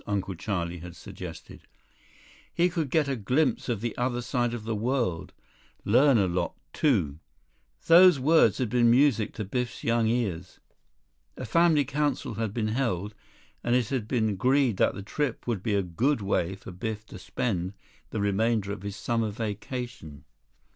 Uncle Charlie had suggested. "He could get a glimpse of the other side of the world—learn a lot, too." 12 Those words had been music to Biff's young ears. A family council had been held, and it had been agreed that the trip would be a good way for Biff to spend the remainder of his summer vacation.